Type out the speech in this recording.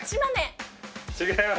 違います。